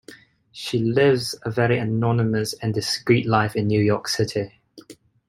She lives a very anonymous and discreet life in New York City.